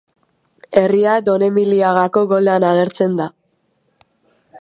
Herria Donemiliagako goldean agertzen da.